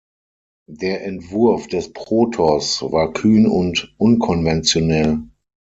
Der Entwurf des Protos war kühn und unkonventionell.